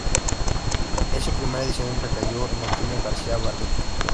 En su primera edición recayó en Antonio García Barbeito.